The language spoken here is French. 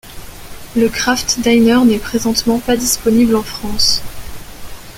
Le Kraft Dinner n'est présentement pas disponible en France.